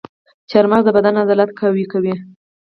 چارمغز د بدن عضلات قوي کوي.